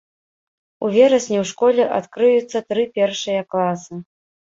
У верасні ў школе адкрыюцца тры першыя класы.